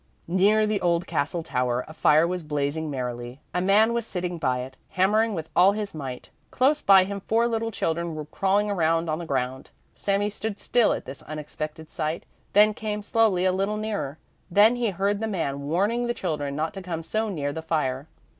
Near the old castle tower a fire was blazing merrily; a man was sitting by it, hammering with all his might. Close by him four little children were crawling around on the ground. Sami stood still at this unexpected sight, then came slowly a little nearer. Then he heard the man warning the children not to come so near the fire.